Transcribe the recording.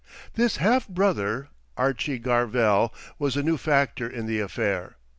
This halfbrother, Archie Garvell, was a new factor in the affair.